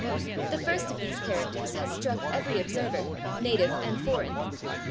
The first of these characters has struck every observer, native and foreign.